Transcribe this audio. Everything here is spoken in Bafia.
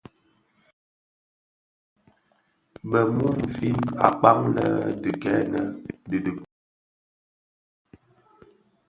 Bë mumfin akpaň lè dhi gènè kè dhikpag.